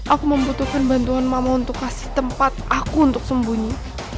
aku membutuhkan bantuan mama untuk kasih tempat aku untuk sembunyi